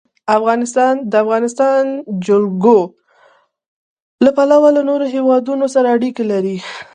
افغانستان د د افغانستان جلکو له پلوه له نورو هېوادونو سره اړیکې لري.